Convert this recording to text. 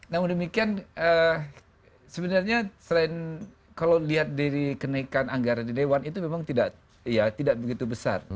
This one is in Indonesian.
namun demikian sebenarnya selain kalau lihat dari kenaikan anggaran di dewan itu memang tidak begitu besar